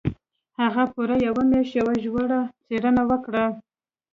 هغه پوره يوه مياشت يوه ژوره څېړنه وکړه.